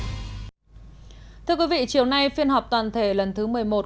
tiếp tục xây dựng và sớm hoàn thành khu đô thị đại học đầu tiên của cả nước